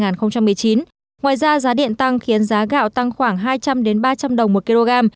ngoài ra giá điện tăng khiến giá gạo tăng khoảng hai trăm linh ba trăm linh đồng một kg